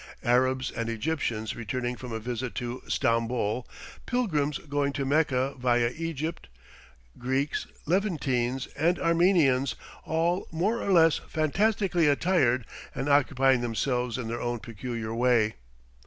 Arabs and Egyptians returning from a visit to Stamboul, pilgrims going to Mecca via Egypt, Greeks, Levantines, and Armenians, all more or less fantastically attired and occupying themselves in their own peculiar way.